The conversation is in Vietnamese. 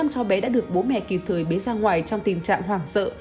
bốn năm chó bé đã được bố mẹ kịp thời bế ra ngoài trong tình trạng hoàng sợ